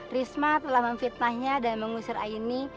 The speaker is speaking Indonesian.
risma telah memfitnahnya dan mengusir aini